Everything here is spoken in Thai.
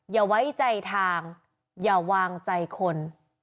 อย่าไว้ใจทางอย่าวางใจคน